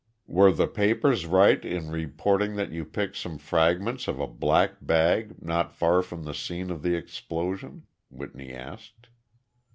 "Were the papers right in reporting that you picked some fragments of a black bag not far from the scene of the explosion?" Whitney asked.